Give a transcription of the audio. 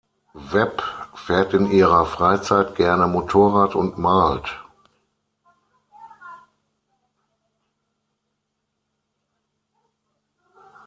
Webb fährt in ihrer Freizeit gerne Motorrad und malt.